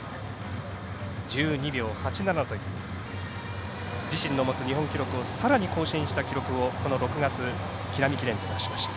１２秒８７という自身の持つ日本記録をさらに更新した記録をこの６月木南記念で出しました。